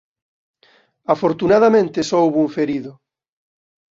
Afortunadamente só houbo un ferido.